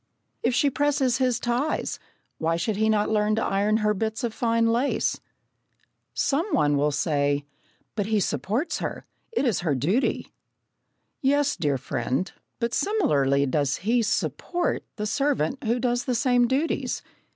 If she presses his ties, why should he not learn to iron her bits of fine lace? Some one will say: "But he supports her. It is her duty." "Yes, dear friend, but similarly does he 'support' the servant who does the same duties.